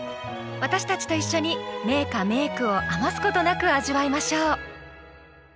私たちと一緒に名歌・名句を余すことなく味わいましょう。